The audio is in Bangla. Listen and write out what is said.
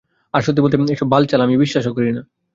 আর সত্যি বলতে, এসব বালছাল আমি বিশ্বাসও করি না।